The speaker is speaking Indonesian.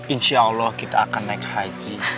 insya allah kita akan naik haji